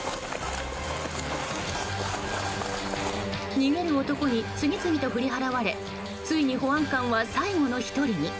逃げる男に次々と振り払われついに保安官は、最後の１人に。